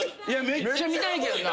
めっちゃ見たいけどな。